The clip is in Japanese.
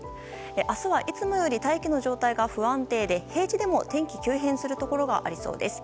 明日はいつもより大気の状態が不安定で平地でも天気急変するところがありそうです。